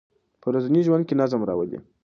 په ورځني ژوند کې نظم راولئ.